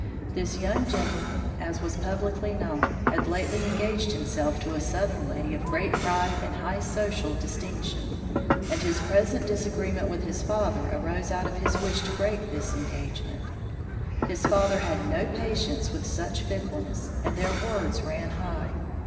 This young gentleman, as was publicly known, had lately engaged himself to a Southern lady of great pride and high social distinction; and his present disagreement with his father arose out of his wish to break this engagement. His father had no patience with such fickleness, and their words ran high.